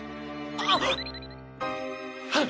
あっ！